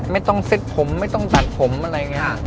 ไม่ต้องเซ็ตผมไม่ต้องตัดผมอะไรอย่างนี้